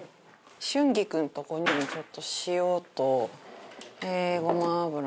春菊のとこにもちょっと塩とごま油しといて。